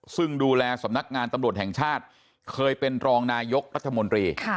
ซึ่งดูแลสำนักงานตำรวจแห่งชาติเคยเป็นรองนายกรัฐมนตรี